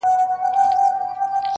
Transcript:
نور كارونه رانه پاتې ټول ميرات دي